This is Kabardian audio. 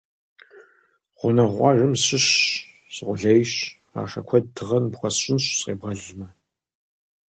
Гъунэгъу къуажэм сыщыщщ, сыкъулейщ, ахъшэ куэд тыгъэ ныпхуэсщӀынщ, сыкъебгъэлмэ!